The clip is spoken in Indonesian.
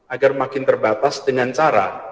agar makin terbatas dengan cara